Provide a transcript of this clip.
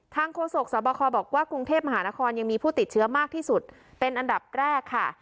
โฆษกสบคบอกว่ากรุงเทพมหานครยังมีผู้ติดเชื้อมากที่สุดเป็นอันดับแรกค่ะ